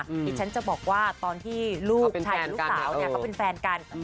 ที่ฉันจะบอกว่าตอนที่ลูกชายกับลูกสาวเนี่ยเขาเป็นแฟนกัน